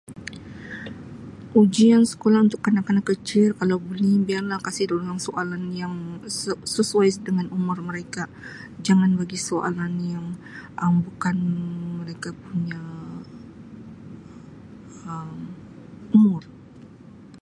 Ujian sekolah untuk kanak-kanak kecil kalau buleh biarlah kasi durang soalan yang se-sesuai dengan umur mereka jangan bagi soalan yang Um bukan mereka punya Um umur.